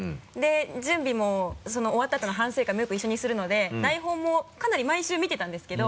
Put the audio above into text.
準備も終わったあとの反省会もよく一緒にするので台本もかなり毎週見てたんですけど。